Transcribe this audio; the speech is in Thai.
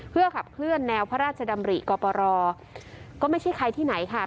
เพื่อขับเคลื่อนแนวพระราชดำริกรก็ไม่ใช่ใครที่ไหนค่ะ